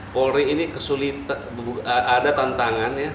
polri ini kesulitan ada tantangan ya